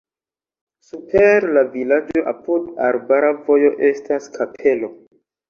Super la vilaĝo apud arbara vojo estas kapelo.